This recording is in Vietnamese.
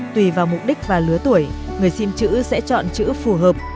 tùy vào mục đích và lứa tuổi người xin chữ sẽ chọn chữ phù hợp